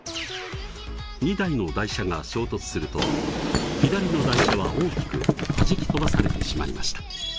２台の台車が衝突すると左の台車は大きくはじき飛ばされてしまいました。